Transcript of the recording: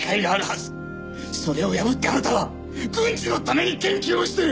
それを破ってあなたは軍事のために研究をしてる！